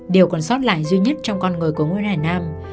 điều còn sót lại duy nhất trong con người của nguyễn hải nam